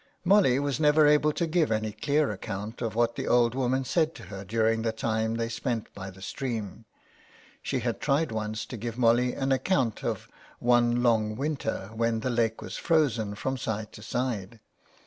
Molly was never able to give any clear account of what the old woman said to her 248 THE WEDDING GOWN. during the time they spent by the stream. She had tried once to give Molly an account of one long winter when the lake was frozen from side to side.